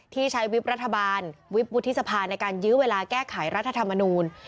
ที่ใช้วิบรัฐบาลวิบวุฒิสภาในการยื้อเวลาแก้ไขรัฐธรรมนูล